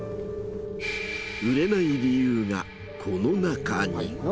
売れない理由がこの中に。